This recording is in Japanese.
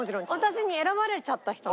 私に選ばれちゃった人。